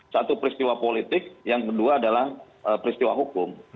satu peristiwa politik yang kedua adalah peristiwa hukum